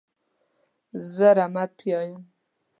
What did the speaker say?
زه رمه پیايم.